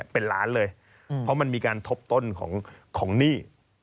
เป็นล้านเลยเพราะมันมีการทบต้นของหนี้